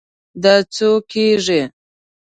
دا څو کیږي؟